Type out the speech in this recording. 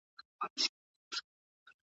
موږ کله ناکله په خپلو فکرونو کي ورک وو.